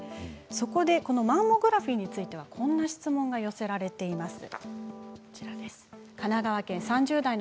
そこでマンモグラフィーについてはこんな質問が寄せられています。